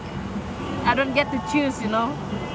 saya tidak bisa memilih anda tahu